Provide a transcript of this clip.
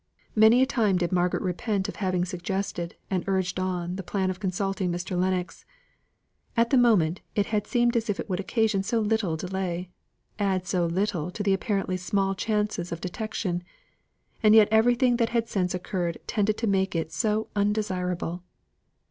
Many a time did Margaret repent of having suggested and urged on the plan of consulting Mr. Lennox. At the moment, it had seemed as if it would occasion so little delay add so little to the apparently small chances of detection; and yet everything that had since occurred had tended to make it so undesirable.